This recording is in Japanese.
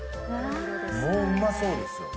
もううまそうですよ。